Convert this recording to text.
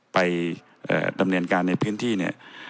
ไปดำเนินการในพื้นที่เนี่ย